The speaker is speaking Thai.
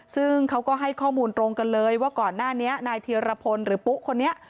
ซึ่งเขาก็ให้ข้อมูลตรงกันเลยว่าก่อนหน้านี้นายเทียรพลหรือปุ๊คนนี้